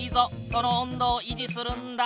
その温度をいじするんだ。